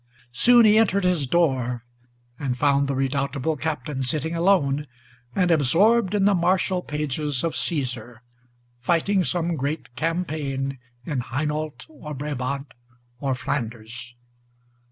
Soon he entered his door, and found the redoubtable Captain Sitting alone, and absorbed in the martial pages of Caesar, Fighting some great campaign in Hainault or Brabant or Flanders.